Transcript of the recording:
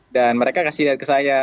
mereka kasih lihat ke saya